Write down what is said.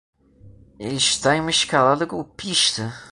Ele está em uma escalada golpista